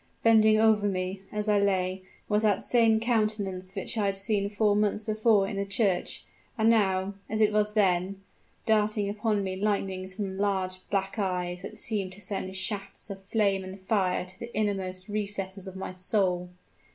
Bending over me, as I lay, was that same countenance which I had seen four months before in the church, and now, as it was then, darting upon me lightning from large black eyes that seemed to send shafts of flame and fire to the inmost recesses of my soul!